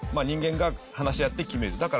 人間が話し合って決める。